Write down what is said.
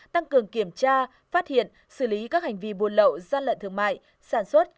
tăng cường kiểm tra phát hiện xử lý các hành vi buôn lậu gian lận thương mại sản xuất